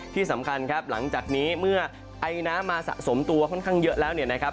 ที่สำคัญครับหลังจากนี้เมื่อไอน้ำมาสะสมตัวค่อนข้างเยอะแล้วเนี่ยนะครับ